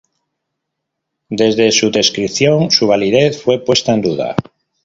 Desde su descripción su validez fue puesta en duda.